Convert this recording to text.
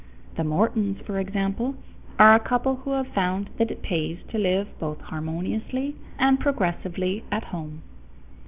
The Mortons, for example, are a couple who have found that it pays to live both harmoniously and progressively at home.